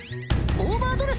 オーバードレス！